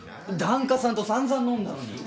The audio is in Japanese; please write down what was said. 檀家さんと散々飲んだのに。